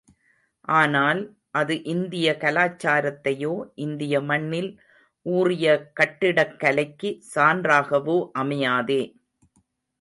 ஆனால், அது இந்திய கலாச்சாரத்தையோ, இந்திய மண்ணில் ஊறிய கட்டிடக் கலைக்கு சான்றாகவோ அமையாதே.